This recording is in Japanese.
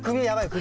首。